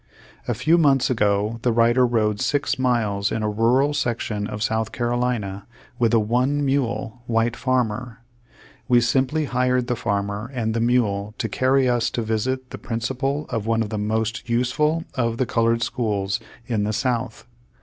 A few months ago the writer rode six miles in a rural section of South Carolina with a "one mule" ^ white farmer. We simply hired the farmer and the mule to carry us to visit the principal of one of the most useful of the colored schools in the South.